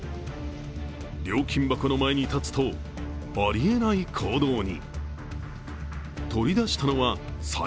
料金箱の前に立つとありえない行動に。